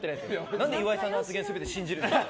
何で岩井さんの発言全部信じるんですか。